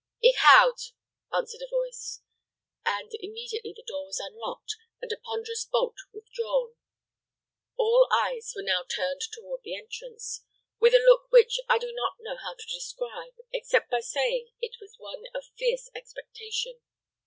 "Ich Houde," answered a voice, and immediately the door was unlocked, and a ponderous bolt withdrawn. All eyes were now turned toward the entrance, with a look which I do not know how to describe, except by saying it was one of fierce expectation.